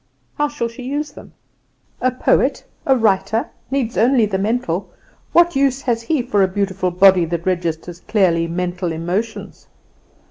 How shall she use them? A poet, a writer, needs only the mental; what use has he for a beautiful body that registers clearly mental emotions?